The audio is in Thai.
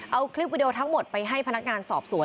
เอาคลิปวิดีโอทั้งหมดไปให้พนักงานสอบสวน